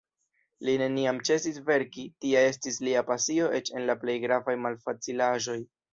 Li neniam ĉesis verki, tia estis lia pasio eĉ en la plej gravaj malfacilaĵoj.